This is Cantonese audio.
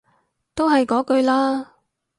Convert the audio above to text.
都係嗰句啦